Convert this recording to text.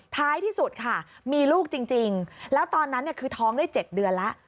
ท้ายที่สุดค่ะมีลูกจริงแล้วตอนนั้นคือท้องได้๗เดือนแล้ว